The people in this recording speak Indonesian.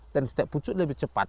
dan setiap pucuk lebih cepat